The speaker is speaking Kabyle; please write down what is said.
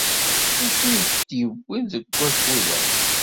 D acu ay k-id-yewwin deg wakud-a?